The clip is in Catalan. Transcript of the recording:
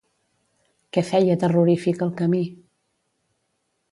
Què feia terrorífic el camí?